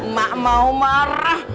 mak mau marah